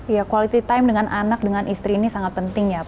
ya quality time dengan anak dengan istri ini sangat penting ya pak